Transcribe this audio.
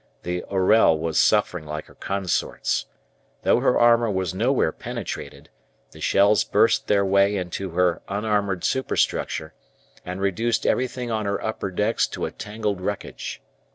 The "Orel" was suffering like her consorts. Though her armour was nowhere penetrated, the shells burst their way into her unarmoured superstructure, and reduced everything on her upper decks to tangled wreckage.